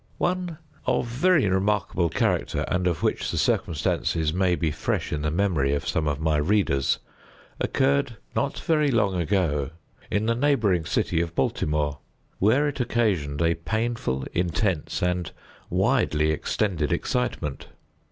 One of very remarkable character, and of which the circumstances may be fresh in the memory of some of my readers, occurred, not very long ago, in the neighboring city of Baltimore, where it occasioned a painful, intense, and widely extended excitement.